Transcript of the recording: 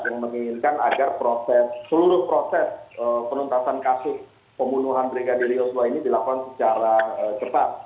yang menginginkan agar proses seluruh proses penuntasan kasus pembunuhan brigadir yosua ini dilakukan secara cepat